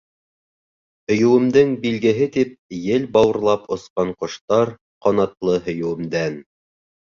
Һөйөүемдең билгеһе тип, Ел бауырлап осҡан ҡоштар Ҡанатлы һөйөүемдән.